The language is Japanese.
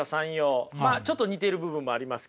まあちょっと似てる部分もありますけれどもね。